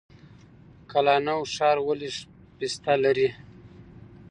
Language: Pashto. قلعه نو ښار ولې پسته لري؟